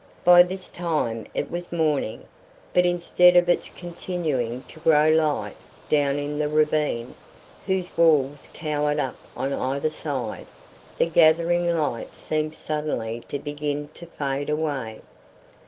By this time it was morning, but instead of its continuing to grow light down in the ravine, whose walls towered up on either side, the gathering light seemed suddenly to begin to fade away.